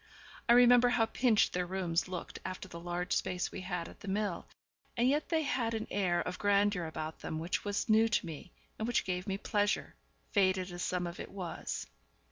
I remember how pinched their rooms looked after the large space we had at the mill, and yet they had an air of grandeur about them which was new to me, and which gave me pleasure, faded as some of it was.